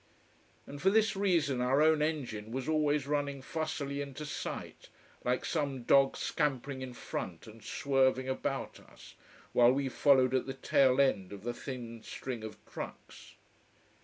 And for this reason our own engine was always running fussily into sight, like some dog scampering in front and swerving about us, while we followed at the tail end of the thin string of trucks.